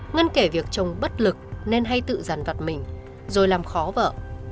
ngân kể việc chồng bất lực nên hay tự rằn vặt mình rồi làm khó vợ